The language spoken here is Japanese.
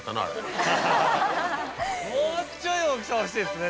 もうちょい大きさ欲しいですね